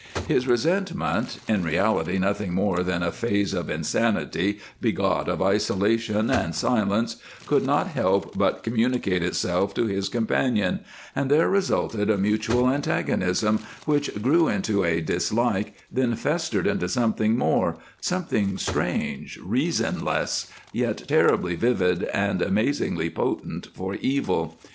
His resentment in reality nothing more than a phase of insanity begot of isolation and silence could not help but communicate itself to his companion, and there resulted a mutual antagonism, which grew into a dislike, then festered into something more, something strange, reasonless, yet terribly vivid and amazingly potent for evil.